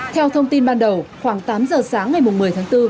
theo thông tin ban đầu khoảng tám giờ sáng ngày một mươi tháng bốn